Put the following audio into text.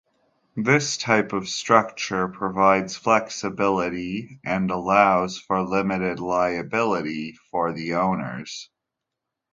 This type of structure provides flexibility and allows for limited liability for the owners.